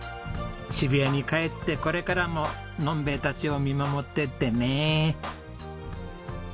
渋谷に帰ってこれからものんべえたちを見守っていってね。